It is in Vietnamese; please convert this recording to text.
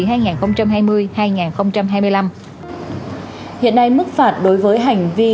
hiện nay mức phạt đối với hành vi